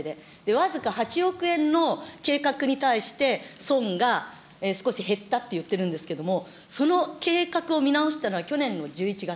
僅か８億円の計画に対して、損が少し減ったって言ってるんですけど、その計画を見直したのは去年の１１月。